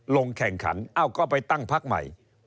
ลงแข่งขันเอ้าก็ไปตั้งพักใหม่